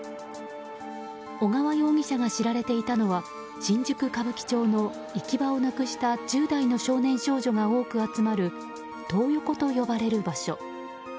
小川容疑者が知られていたのは新宿・歌舞伎町の行き場をなくした１０代の少年少女が多く集まるトー横と呼ばれる場所。